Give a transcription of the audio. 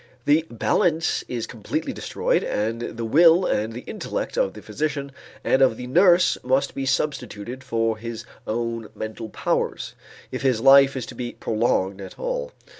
The balance is completely destroyed and the will and the intellect of the physician and of the nurse must be substituted for his own mental powers, if his life is to be prolonged at all.